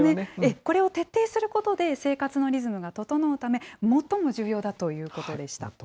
これを徹底することで、生活のリズムが整うため、最も重要だということでした。